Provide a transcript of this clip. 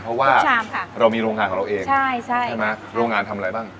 เพราะว่าทุกชามค่ะเรามีโรงงานของเราเองใช่ใช่ใช่ไหมโรงงานทำอะไรบ้าง